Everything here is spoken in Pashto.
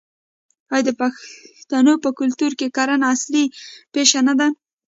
آیا د پښتنو په کلتور کې کرنه اصلي پیشه نه ده؟